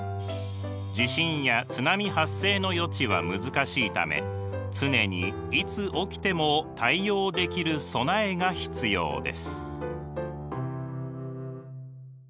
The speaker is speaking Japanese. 地震や津波発生の予知は難しいため常にいつ起きても対応できる備えが必要です。